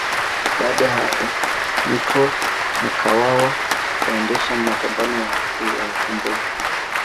Baada ya hapo Mtwa Mkwawa akaendesha mapambano ya kuyakomboa